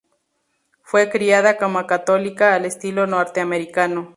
Fue criada como católica, al estilo norteamericano.